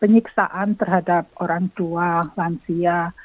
penyiksaan terhadap orang tua lansia